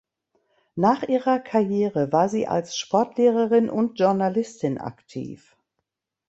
Nach ihrer Karriere war sie als Sportlehrerin und Journalistin aktiv.